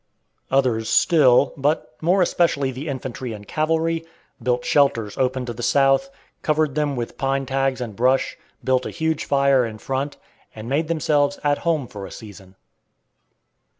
Others still, but more especially the infantry and cavalry, built "shelters" open to the south, covered them with pine tags and brush, built a huge fire in front, and made themselves at home for a season.